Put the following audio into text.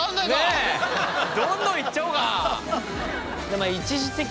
ねっどんどんいっちゃおうか。